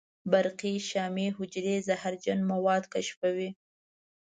برقي شامي حجرې زهرجن مواد کشفوي.